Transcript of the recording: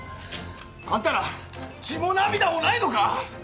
あんたら血も涙もないのか！